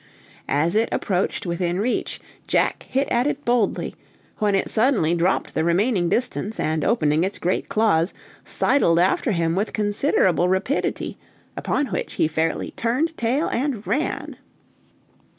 As it approached within reach, Jack hit at it boldly, when it suddenly dropped the remaining distance, and opening its great claws, sidled after him with considerable rapidity, upon which he fairly turned tail and ran.